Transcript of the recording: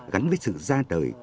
gắn với sự ra đời